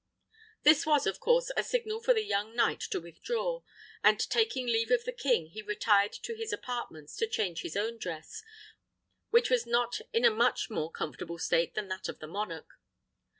This was, of course, a signal for the young knight to withdraw; and taking leave of the king, he retired to his apartments to change his own dress, which was not in a much more comfortable state than that of the monarch.